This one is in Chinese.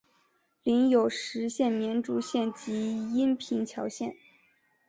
领有实县绵竹县及阴平侨县。